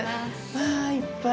はい。